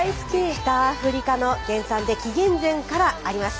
北アフリカの原産で紀元前からあります。